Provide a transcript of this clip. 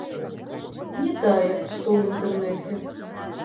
Не тая, што ў інтэрнэце.